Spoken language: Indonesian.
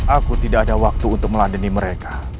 aku tidak ada waktu untuk meladeni mereka